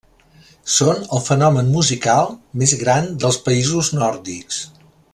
Són el fenomen musical més gran dels països nòrdics.